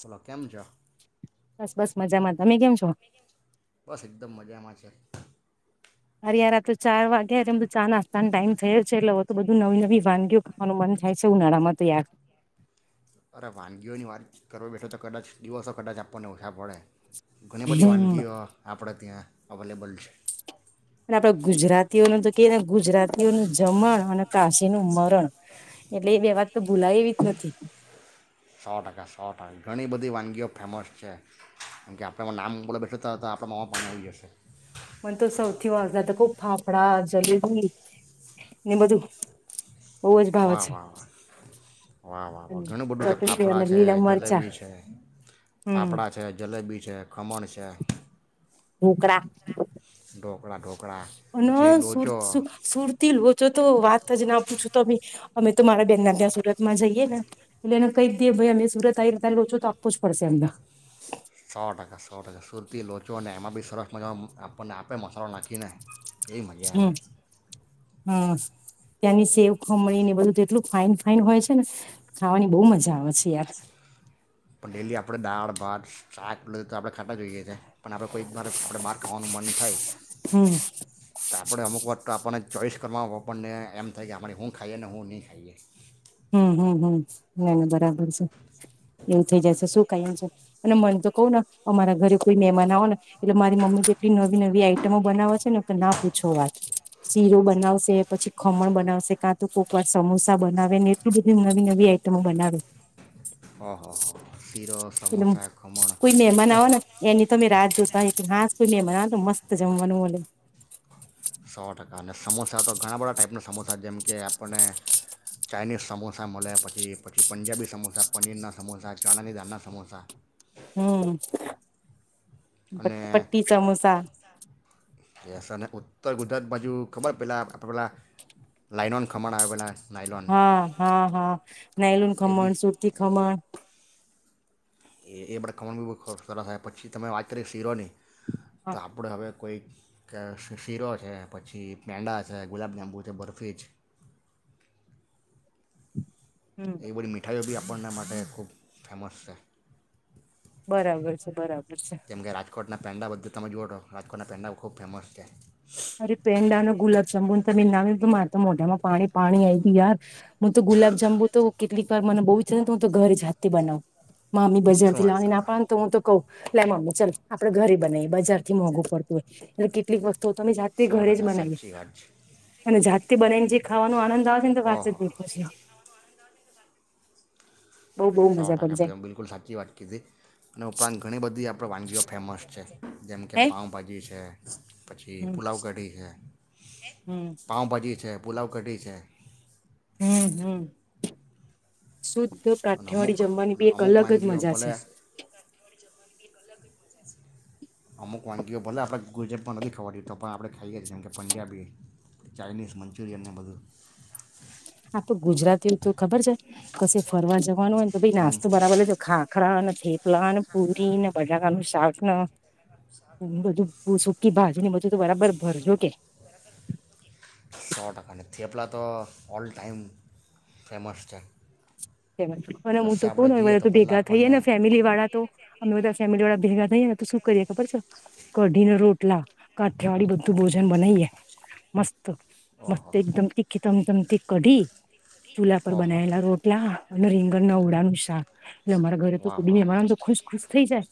બોલો કેમ છો બસ-બસ મજામાં. તમે કેમ છો? દમ મજામાં છે. અરે યાર આ તો ચાર વાગ્યા [unintelligible] ચા નાસ્તાનો ટાઈમ થયો છે, એટલે હવે તો બધું નવી-નવી વાનગીઓ મારું મન થાય છે ઉનાળામાં તો યાર. અરે વાનગીઓની વાત કરવા બેઠો તો કદાચ દિવસો કદાચ આપણને ઓછા પડે ઘણી બધી હમ વાનગીઓ આપડા ત્યાં અવેલેબલ છે. અને આપડે ગુજરાતીઓનું તો કે ને ગુજરાતીઓનું જમણ અને કાશી નું મરણ એટલે એ બે વાત તો ભૂલાય એવી જ નથી. સો ટકા સો ટકા ઘણી બધી વાનગીઓ ફેમસ છે કેમ કે આપણેમાં નામ બોલે બેઠ ત તો આપણા મોમા પાણી આવી જશે. મને તો સૌથી વાગતા ફાફડા જલેબી ને બધું બહુ જ ભાવે વાહ છે વાહ વાહ વાહ વાહ વાહ ઘણું બધું છે ચટણી ફાફડા અને છે લીલા મરચા જલેબી છે હમ ફાફડા છે જલેબી છે ખમણ છે. ઢોકળા ઢોકળા ઢોકળા અને પછી સુર લોચો સુરતી લોચો તો વાત જ ના પૂછો તો બી અમે તો મારા બેહેન ના ત્યાં સુરતમાં જઈએ ને એટલે એને કહી દીેએ ભાઈ અમે સુરત આવી્યા હતા લો છો તો આપવો જ પડશે એમ ના. સો ટકા સો ટકા સુરતી લોચો અને એમાં બી સરસ મજામાં આપણને આપે મસાલો નાખીને. એ મજા હમ આવેે. હા ત્યાંની સેવ ખમણી ને બધું તેટલું ફાઈન ફાઈન હોય છે ને ખાવાની બહુ મજા આવે છે યાર. પણ ડેલી આપડે દાળ ભાત શાક ને તો આપડે ખાટા જોઈએ છે પણ આપણે કોઈક બાર આપણે બહાર ખાવાનું મન થાય. હમ્મ. તો આપણે અમુક વાર તો આપણને ચોઈસ કરવા હો આપણને એમ થાય કે અમારે શું ખાઈએ ને હું નહીં ખાઈએ. હમ હમ હમ નાને બરાબર છે. એવું થઇ જશે શું [unintelligible] છે. અને મને તો કહું ને અમારા ઘરે કોઈ મહેમાન આવો ને એટલે મારી મમ્મી જેટલી નવી નવી આઈટમો બનાવે છે ને તો ના પૂછો વાત શીરો બનાવશે પછી ખમણ બનાવશે કાં તો કોક વાર સમોસા બનાવે ને એટલી બીધી નવી નવી આઈટમો બનાવે. હા હા હા હા. એટલે કોઈ મહેમાન આવે ને એની તો મેં રાત જોતા હોય હા કોઈ મહેમાન આવ તો મસ્ત તો જમવાનું મલે. સો ટકા અને સમોસા તો ઘણા બધા ટાઈપના સમોસા જેમ કે આપણને ચાઈનીઝ સમોસા મળે પછી પછી પંજાબી સમોસા પનીરના સમોસા ચણાની દાળની સમોસા. હમ્મ. પ અને પટ્ટી સમોસા. યસ અને ઉત્તર ગુજરાત બાજુ ખબર પેલાં આપણે પેલાં લાઈનોન ખમણ આવે પેલા હા હા હા નાઈલોન એ બી ખમણ સુરતી ખમણ. એ બધા કમાણ બી બહુ સરસ [unintelligible] પછી તમે વાત કરી શીરોની તો હા આપણે હવે કોઈ શીરો છે પછી પેંડા છે ગુલાબ જાંબુ છે બરફી જ હમ એ બધી મીઠાઈઓ બી અપ આપણના માટે ખૂબ ફેમસ છે. બરાબર છે બરાબર છે. જેમ કે રાજકોટના પેંડા બધા તમે જુઓ તો રાજકોટના પેંડાઓ ખૂબ ફેમસ છે. અરે પેંડા નો ગુલાબ જાંબુ તો [unintelligible] ના મારે તો મોઢામાં પાણી પાણી આઈ ગવુ યાર. હું તો ગુલાબ જાંબુ તો કેટલીક મને બહુ ચ્છા હું તો ઘરે જાતેથી બનાવું મ મમી શું બજારથી વાત લાવાની ના કરો પડે તો, હું તો કઉું લ મમ્મી ચાલ આપડે ઘરે બનાવીએ બજાર થી મોંઘુંુ પડતું હોય, એટલે કેટલીક વખ તો તમે જાતે સો ઘરે જ ટકા બનાવી સાચી વાત છે અને જાતે બનાઈ ને ખાવાનો આનંદ અ તો વાત જ ઓહો નઈ પૂછો સો મજા પડી ટકા જાય પી બિલકુલ સાચી વાત કીધી અને ઉપરાંત ઘણી બધી આપ આપ વાનગીઓ ફેમસ છે, જેમ હે કે પાઉભાજી છે, પછી હમ પુલાવ કઢી છે, હમ પાવ ભાજી છે, પુલાવ કઢી છે, હમ્મ હમ્મ શું તો અને અમુક કાઠીવાડી જમવાની અને બી એક અમુક અલગ જ વાનગીઓ મજા છે. ભલે અમુક વાનગીઓ ભલે આપણે ગુજરાતમાં નથી, ખવાડ તો પણ આપણે ખાઈએ છીએ જેમ કે પંજાબી ચાઇનીઝ મંચુરિયન ને બધું. આપે ગુજરાતીઓ તો ખબર છે, કશે ફરવા જવાનું હોય ને તો ભ નાસ્તો બરાવાર લેજો ખા ખરા નથી પ્લાન પૂરી ને બટાકાનુંું સાટ નુ બધું સુકી બાજુ ને બધું તો બરાબર ભરજો કે. સો ટકા અને થેપલા તો ઓલ ટાઈમ ફેમસ છે. હું કશે તો કહ આપણે જઈએ બધા તો પહેલાં ભેગા થઈએ આપણને ને ફેમિલી વાળા તો અમે બધા ફેમિલી વાળા ભેગા શું કરીએ ખબર છે, કઢી ના રોટલા કાઠિયાવાળી બધું ભોજન બનાઈએ મસ્ત. ઓહો મસ્ત એકદમ તીખ તમ. સમંત કઢી ચૂલા પર ઓહો બનાયેલા રોટલા અને રીંગણ ના ઓડા ન શાખ. એટલે અમારા ઘરે તો વાહ વાહ કોદીને વાહ મારાને તો ખુશ ખુશ થઈ જાય.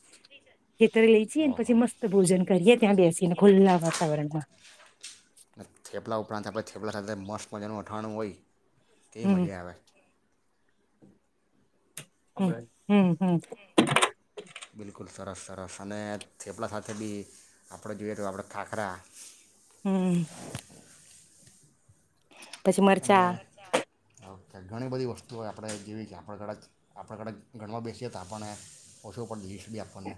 ખેતરે લઈ જએ ઓહો પછી મસ્ત ભોજન કરીએ, ત્યાં બેસીને ખુલ્લા વાતાવરણમાં. વજણ વઠણું વય કે હમ મજા આવે. હમ્મ હમ્મ હમ્મ. બિલકુલ સરસ સરસ અને થેપલા સાથે બી આપણે જોઈએ, તો આપણે ખાખરા. હમ્મ. અને મરચા હ. કે ઘણી બધી વસ્તુઓ આપણે જેવી કે આપણા કદા આપણા કાચ ગણમાં બેસીએ તો આપણને ઓછું લીસ્ટ બી આપણને.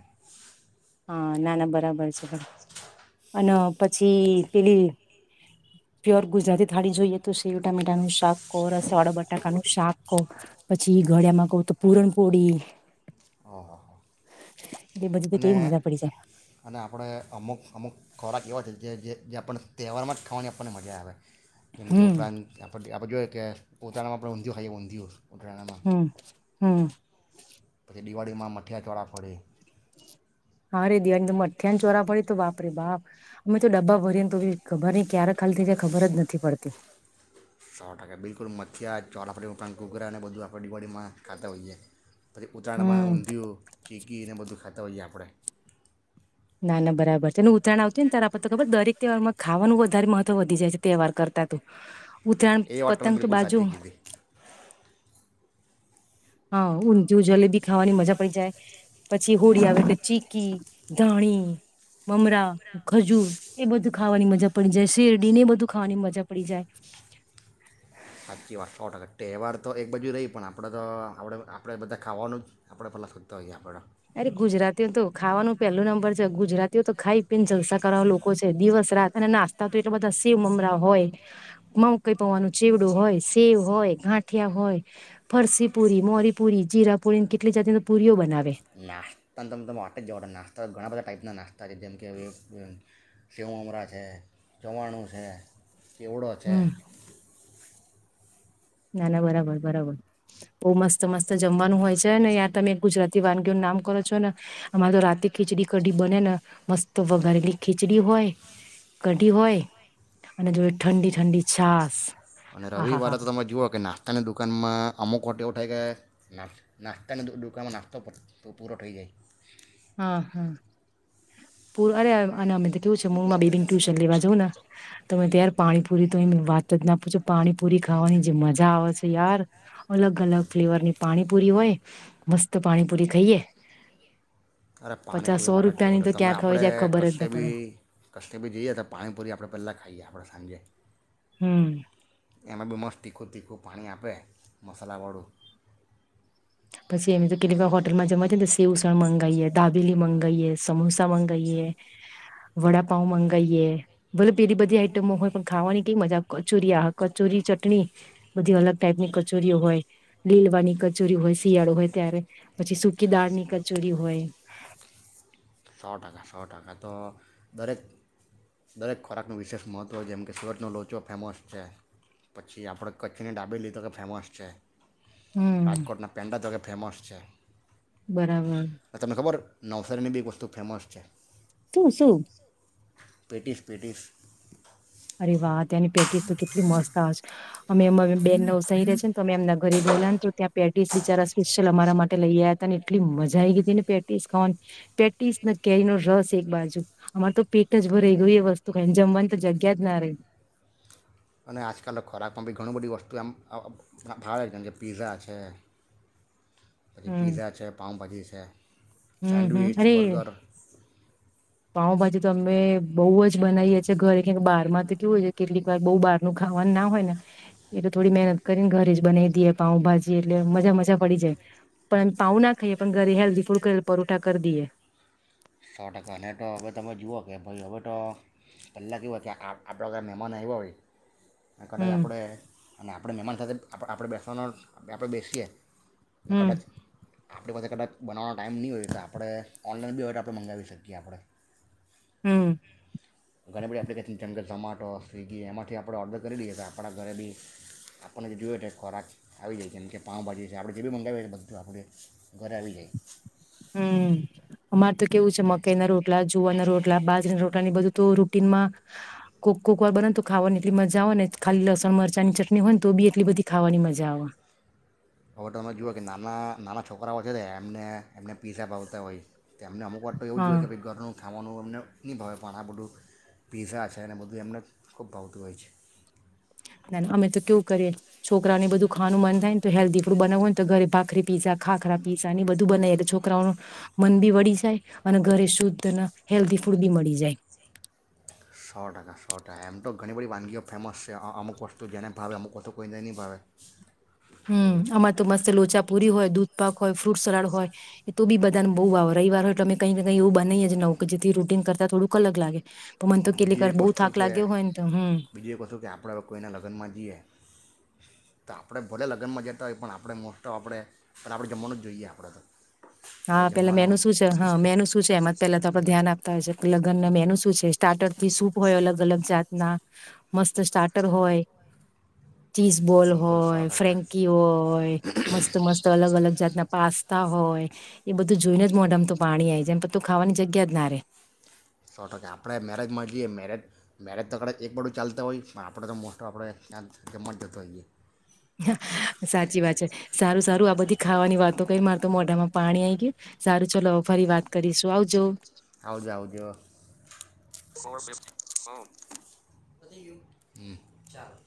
હા ના ના બરાબર છે અને પછી પેલી પ્યોર ગુજરાતી થાળી જોઈએ તો શેવું ટામેટા નું શાક કહો રસવાળા બટાકા નું શાક કહ પછી ઘડિયામાં કહું તો પુરણપોળી હ હા હા. બધી તો અને કેવી મજા પડી જાય અને આપણે અમુક અમુક. ખોરાક એવાો છે, જે જે આપણને તહેવારમાં જ ખાવાની આપણને મજા આવે. જેમ કે હમ ઉપરાંત આપ આપડે જોયએ કે ઉતરાણમાં આપણેઊંધયું ખાઈએ ઊંધ [unintelligible] હમ્મ હમ્મ. તે દિવાળીમાં મઠિયા ચોળા ફોડે. હારે. [unintelligible] મઠ્ઠ ને ચોરા પડી તો બાપ બાપ અમે તો ડબ્બા ભરીએને તો ખબર ન ક્યારે ખાલી થ જાય ખબર જ નથી પડતી. [unintelligible] બલકુલ [unintelligible] ઉરાણ કુકરા અનેને બધું આપણે ડિવાળીમાં ખાતા હોઈએ પછી હમ ઉતરાણમાં [unintelligible] ચીકી એને બધું ખાતા હોઈએ આપણે. [unintelligible] ના ના બરાબર છે, ને ઉતરાણ આવતું ને ત આપ તો ખબર દરેક તહેવારમાં. ખાવાનું વધારે મહત્વ વધી જાય છે, તહેવાર કરતા ત ઉતરાયણ એ વાત તમે પતંગ તો બિલકુલ બાજુ સાચી કીધી હા ઉ જો જલેબી ખાવાની મજા પડી જાય પછી. પછી હોળી આવે તો ચીકી ધાણી મમરા ખજૂર એ બધું ખાવાની મજા પડી જાય શેરડી ને એ બધું ખાવાની મજા પડી જાય. સાચી [unintelligible] ટકા તહેવાર તો એક બાજુ રહી પણ આપણે તો આપણે આપણે બધા ખાવાનું જ આપણે પહેલાં [unintelligible] હો ગયા આપણે. અરે ગુજરાતીઓ તો ખાવાનું પેલું નંબર છે, ગુજરાતીઓ તો ખાઈ પીને જલસા કરવા લોકો છે, દિવસ રાત અને નાસ્તા તો એટલા બધા શેવ મમરા હોય મમ કઈ પવાનું ચેવડું હોય સેવ હોય ગાંઠિયા હોય ફરસીપુરી મોરીપુરી જીરાપુરી કેટલી જાતિ તો પુરીઓ બનાવે. નાસ્તા તમે તમે માટે જ જવા નાસ્તા ઘણા બધા ટાઈપના નાસ્તા છે, જેમ કે સેવમરા છે, ચવાણું છે. હમ [unintelligible] ના ના બરાબર બરાબર બઉુ મસ્ત મસ્ત જમવાનું હોય છે ને ય તમે ગુજરાતી વાનગીઓ ન નામ કરો છો ને અમારે તો રાતે ખીચડી કઢી બને ને મસ્ત વઘારેલી ખીચડી હોય કઢી હોય અને જો ઠંડી ઠંડી છાસ. અને આ રવિ હા વારે હા તો તમે જુઓ કે નાસ્તાની દુકાનમાં અમુક હોટ એવો થાય કે ના નાસ્તાની દુકાનમાં નાસ્તો પૂરો થઈ જાય. હા હા [unintelligible] અનામિત એવું છે, [unintelligible] બેબી ને ટ્યુશન લેવા જઉં ને તમે પાણીપુરી તો એ વાત જ ના પૂછો પાણીપુરી ખાવાની જે મજા આવે છે, યાર અલગ અલગ ફ્લેવર ની પાણીપુરી હોય મસ્ત પાણીપુરી ખાઈએ. અરે પચાસ પાણીપુરી સો મ રૂપિયાની [unintelligible] તો તમે ક્યાં ખવાય આપણે જાય ખબર જ ના પડે કશેબી કશેબી જઈએ તો પાણીપુરી આપણે પહેલા ખાઈએ આપ [unintelligible] સાજે હમ એમાં બી મસ્ત તીખું તીખું પાણી આપે મસાલાવાળું પછી અમે તો કે હોટલમાં જવા છે, ને તો સેવસણ મંગાઈએ દાબેલી મંગાઈએ સમોસા મંગાવએ વડાપઉ મંગાવીએ બલબ પેલી બધી આઈટમો હોય પણ ખાવાની કઈ મજા કચોરી આ કચોરી ચટણી બધી અલગ ટાઈપની કચોરીઓ હોય લીલવાની કચોરી હોય શિયાળો હોય ત્યારે પછી સુકી દાળ ની કચોરી હોય સો ટકા સો ટકા તો દરેક દરેક ખોરાકનું વિશેષ મહત્ત્વ જેમ કે સુરતનો લોચો ફેમસ છે પછી આપણે કચ્છની ડાબીલી તો કે ફેમસ છે હમ્મ, રાજકોટના પેન્ન્ટા તો કે ફેમસ છે બરાબર નવસારીમાં એક વસ્તુ ફેમસ છે શું શું પેટીસ પેટીસ અરે વાહ તેની પેટીસ તો કેટલી મસ્ત આ અમે અમે બેન નવસારી રહ્યા છેને તો અમે એમના ઘરે ગયેલા ને તો ત્યાં પેટીસ બિચારા સ્પેશિયલ અમારા માટે લઈ આવયા હતા એટલી મજા આ આવી ગઈ હતી ને પેટીસ ખાવાની પેટીસ કેરીનો રસ એક બાજુ અમાર તો પેટ જ ભરાઈ ગયું એ વસ્તુ ખાઈને જમવાનું તો [unintelligible] અને આજકાલ ખોરાકમાં બી ઘણું બધી વસ્તુ એમ ભાવે છે જે પીઝા છે પછી હમ્મ, પીઝા છે પાઉભાજી છે હમ્મ, હમ્મ. સેન્ડવીચ અરે બર્ગર પાઉભાજી તો અમે બહૂ જ બનાવીએ છીએ ઘરે બહાર માં તો કેું હોય છે કેટલીક વાર બહુ બારું ખાવાનું ના હોય ને એટલે થોડી મહેનત કરીને ઘરે જ બનાવી દઈએ પાઉભાજી એટલે મજા મજા પડી જાય પણમે પાઉ ના ખાઈએ પણ ઘરે હેલ્ધી ફૂડ કર પરોઠા કરી દઈએ સો ટકા અને તો હવે તમે જુઓ કે ભાઈ હવે તો પહેલા કે એવા છે આપણા તયા મહેમાન આવ્યા હોય કદાચ હમ આપણે અને આપણે મહેમાન સાથે આપ આપણે બેસનો આપણે બેસીએ કદાચ હમ આપણી પાસે કદાચ બનાવાનો ટાઈમ નહી હોય તો આપણે ઓનલાઈન બી હોય આપણે મંગાવી શકીએ આપણે હમ્મ. ઘણી બધી એપ્લિકેશન જેમ કે જમાટો, સ્વિગી એમાંથી આપણે ઓર્ડર કરી લઈએ તો આપણા ઘરે બી આપણને જે જોઈએ તો ખોરાક આવી જાય કેમ કે પાઉભાજી છે આપણે જે બી મંગાવીએ બધું આપણે ઘરે આવી જાય. હમ્મ. અમાર તો કેવું છે મકાઈ ના રોટલા જુવાના રોટલા એટલા બાજર રોટલા ની બધું તો રૂટીનમાં કોક કોક વાર બનેને તો ખાવાની એટલી મજા આવે ને ખાલી લસણ મરચા ની ચટણી હોય ને તો બી એટલી બધી ખાવાની મજા આવે. હવે તો તમે જુઓ કે નાના નાના છોકરાઓ છે એમને એમને પીઝા ભાવતા હોય. તેમને અમુક વા તો એવ જોએ હા કે ભાઈ ઘરનું ખાવાનું એમને નહીં ભાવે પણ આ બધું પીઝા છે અને બધું એમને ખૂબ ભાવતું હોય છે. ના અમે તો કેવું કરીએ છોકરાઓને બધું ખાવાનું મન થાયને તો હેલ્ધી ફૂડ બનાવવું ને તો ઘરે ભાખરી પીઝા ખાખરા પીઝા બધું બનાવીએ એટલે છોકરાઓ ન મન બી વળી જાય અને ઘરે શુદ્ધ અને હેલ્ધી ફૂડ બી મળી જાય. સો ટકા સો ટકા એમ તો ઘણી બધી વાનગીઓ. ફેમસ છે અમુક વસ્તુ જેને ભાવે અમુક વસ્તુ કોઈને નહીં ભાવે હમ એવું છે આમાં તો મસ્ત લોચાપુરી હોય દૂધ પાક હો હોય ફ્રૂટ સલાડ હોય એ તો બી બધાને બહુ વા આવે રવિવાર હોય એટલે અમે કંઈ ને કંઈ એવું બનાઈ જ નવુ જેથી રૂટિન કરતા થોડુંક અલગ લાગે પણ મને તો કેટલીક બીજી વાર એક બહુ વસ્તુ થાક કે લાગ્યો હોય ને તો હમ બીજી એક વસ્તુ કે આપણે કોઈના લગ્નમાં જઈએ. તો આપણે ભલે લગ્નમાં જતા હોય પણ આપણે મોસ્ટ ઓફ આપણે આપણે જમવાનું જ જોઈએ આપણે તો હવે હા પેલા જમવાનું મેનું શું છે હા મેનું શું છે એમાં પેલા આપડે ધ્યાન આપ લગ્ન મેનું શું છે સ્ટાર્ટર થી સૂપ હોય અલગ અલગ જાતના મસ્ત સ્ટાર્ટર હોય. ચીઝ બોલ બિલકુલ સો હોય ટકા ફ્રેન્કી હોય મસ્ત મસ્ત અલગ અલગ જાતના પાસ્તા હોય. એ બધું જોઈને જ મોઢામ તો પાણી આવી જાય એમ પ તું ખાવાની જગ્યા જ ના રે સો ટકે આપણે મેરેજમાં જઈએ મેરેજ મેરેજ તો કાચ એક બડું ચાલતું હોય પણ આપણે તો મોસ્ટફ આપણે ત્યાં જ જતો હોઈએ. સાચી વાત છે, સારું સારું આ બધી ખાવાની વાતો કઈ માર તો મોઢામાં પાણી આ ગય સારું ચાલ ફરી વાત કરીશું આવજો. આવજ-આવજ [inaudible] હા હ ચાલો.